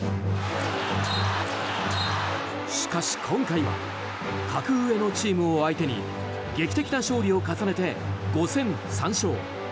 しかし今回は格上のチームを相手に劇的な勝利を重ねて５戦３勝。